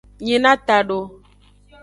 Nyina tado.